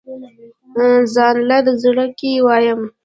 ځانله زړۀ کښې وايم